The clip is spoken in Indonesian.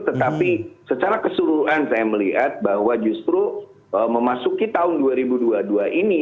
tetapi secara keseluruhan saya melihat bahwa justru memasuki tahun dua ribu dua puluh dua ini